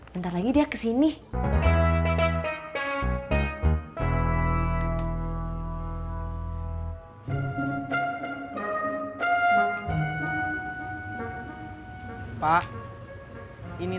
bentar lagi dia kesini